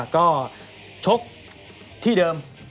ก็ชกที่เดิม